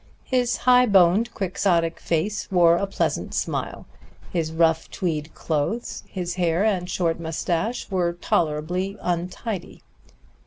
His high boned Quixotic face wore a pleasant smile, his rough tweed clothes, his hair and short mustache were tolerably untidy.